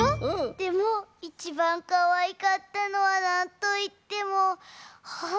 でもいちばんかわいかったのはなんといってもほっぺ！